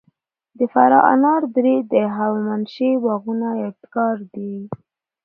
د فراه انار درې د هخامنشي باغونو یادګار دی